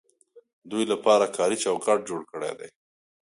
دوی لپاره کاري چوکاټ جوړ کړی دی.